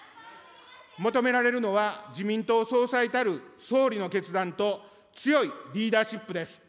求められるのは、自民党総裁たる総理の決断と強いリーダーシップです。